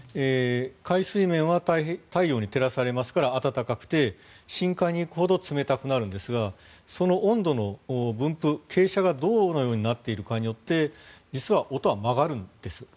海水面は太陽に照らされますから暖かくて深海に行くほど冷たくなるんですがその温度の分布傾斜がどのようになっているかによって実は音は曲がるんです。